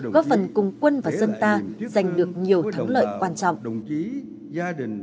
góp phần cùng quân và dân ta giành được nhiều thắng lợi quan trọng